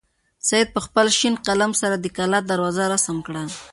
سعید په خپل شین قلم سره د کلا دروازه رسم کړه.